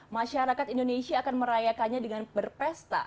masyarakat indonesia akan merayakannya dengan berpesta